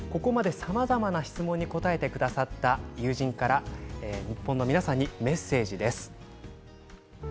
最後に、ここまでさまざまな質問に答えてくださった友人から日本の皆さんにメッセージです。